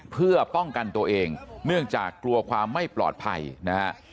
เพื่อป้องกันตัวเองเนื่องจากกลัวความไม่ปลอดภัยนะฮะ